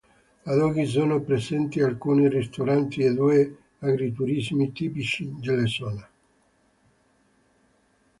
Ad oggi sono presenti alcuni ristoranti e due agriturismi tipici della zona.